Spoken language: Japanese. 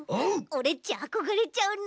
オレっちあこがれちゃうな。